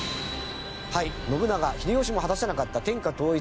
信長秀吉も果たせなかった天下統一。